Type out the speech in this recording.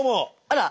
あら。